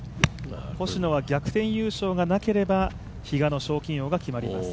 星野は逆転優勝がなければ、比嘉の賞金王が決まります。